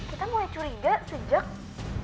kita mulai curiga sejak